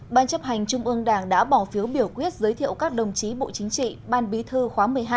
ban chấp hành trung ương đảng đã bỏ phiếu biểu quyết giới thiệu các đồng chí bộ chính trị ban bí thư khóa một mươi hai